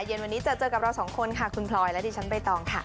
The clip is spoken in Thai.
เย็นวันนี้เจอเจอกับเราสองคนค่ะคุณพลอยและดิฉันใบตองค่ะ